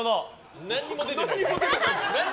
何も出てないですから。